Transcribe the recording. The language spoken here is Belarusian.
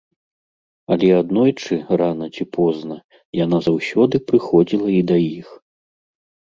Але аднойчы, рана ці позна, яна заўсёды прыходзіла і да іх.